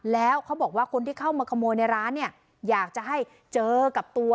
แล้วเขาบอกว่าคนที่เข้ามาขโมยในร้านเนี่ยอยากจะให้เจอกับตัว